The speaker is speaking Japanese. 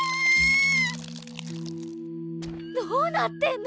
どうなってんの！？